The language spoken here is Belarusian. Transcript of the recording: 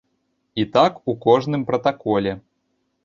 І так у кожным пратаколе.